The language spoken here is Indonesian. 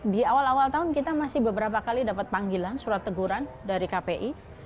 di awal awal tahun kita masih beberapa kali dapat panggilan surat teguran dari kpi